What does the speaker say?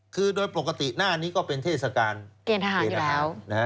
คือโดยปกติหน้านี้ก็เป็นเทศกาลเกณฑ์ทหารอยู่แล้วนะฮะ